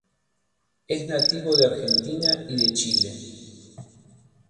Es nativo de Argentina y de Chile.